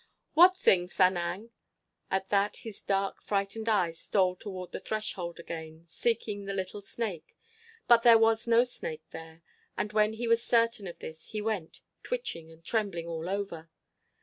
"What thing, Sanang?" At that his dark, frightened eyes stole toward the threshold again, seeking the little snake. But there was no snake there. And when he was certain of this he went, twitching and trembling all over.